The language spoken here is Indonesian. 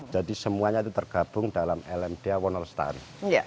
jadi semuanya itu tergabung dalam lmdh wonolestari